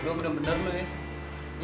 lo bener bener lu ya